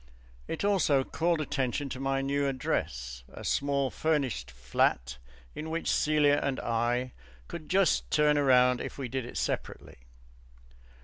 It also called attention to my new address a small furnished flat in which Celia and I could just turn round if we did it separately.